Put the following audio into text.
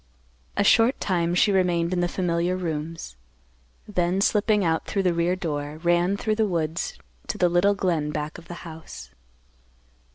A short time she remained in the familiar rooms, then, slipping out through the rear door, ran through the woods to the little glen back of the house.